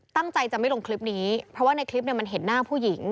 ตั้งใจจะไม่ลงคลิปนี้เพราะว่าในคลิปเนี่ยมันเห็นหน้าผู้หญิง